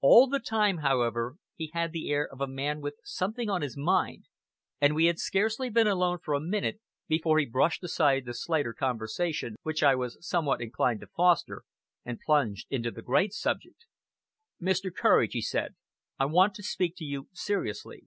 All the time, however, he had the air of a man with something on his mind, and we had scarcely been alone for a minute, before he brushed aside the slighter conversation which I was somewhat inclined to foster, and plunged into the great subject. "Mr. Courage," he said, "I want to speak to you seriously."